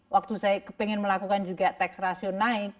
waktu saya ingin melakukan juga tax ratio naik